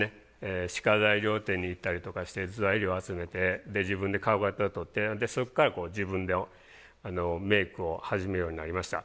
歯科材料店に行ったりとかして材料を集めて自分で顔型取ってそこから自分でメイクを始めるようになりました。